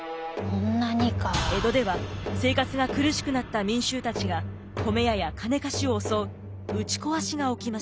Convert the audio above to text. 江戸では生活が苦しくなった民衆たちが米屋や金貸しを襲う打ちこわしが起きました。